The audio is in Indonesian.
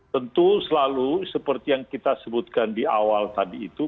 tentu selalu seperti yang kita sebutkan di awal tadi itu